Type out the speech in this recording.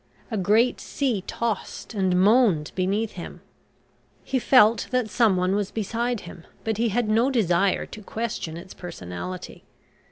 A great sea tossed and moaned beneath him. He felt that someone was beside him, but he had no desire to question its personality.